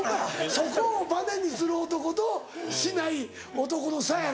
そこをバネにする男としない男の差やろ。